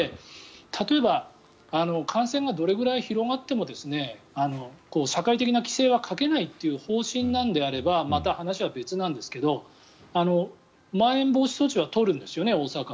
例えば感染がどれぐらい広がっても社会的な規制はかけないという方針なのであればまた話は別なんですがまん延防止措置は大阪は取るんですよね。